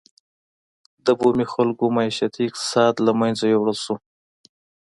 د بومي خلکو معیشتي اقتصاد له منځه یووړل شو.